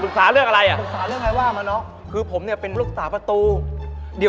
นี่กาวยู้หูของพี่